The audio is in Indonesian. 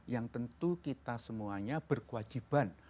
yang tentu kita semuanya berkewajiban